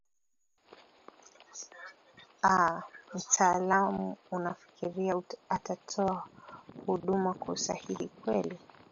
a mtaalam unafikiria atatoa hunduma kwa usahihi kweli